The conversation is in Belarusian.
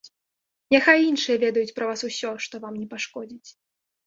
Няхай іншыя ведаюць пра вас усё, што вам не пашкодзіць.